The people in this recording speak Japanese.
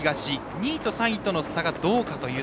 ２位と３位の差がどうか。